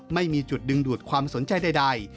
ไม่มีจุดดึงดูดความสนใจใด